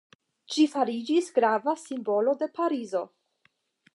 Ĝi fariĝis grava simbolo de Parizo.